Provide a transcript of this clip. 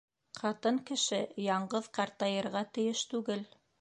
Ҡатын кеше яңғыҙ ҡартайырға тейеш түгел.